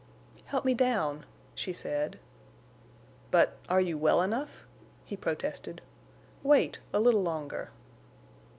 "Help me down," she said. "But—are you well enough?" he protested. "Wait—a little longer."